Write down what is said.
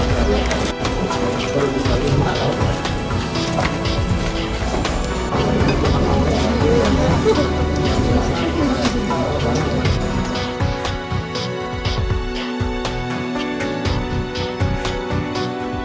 ini kecil nih